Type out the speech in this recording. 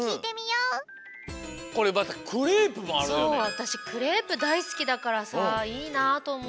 わたしクレープだいすきだからさいいなとおもって。